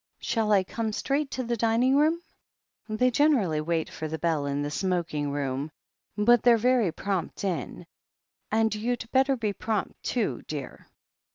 "Shall I come straight to the dining room ?" "They generally wait for the bell in the smoking room, but the/re very prompt in. And you'd better be prompt, too, dear.